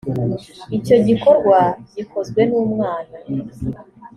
icyo gikorwa gikozwe n’umwana